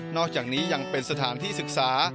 อกจากนี้ยังเป็นสถานที่ศึกษา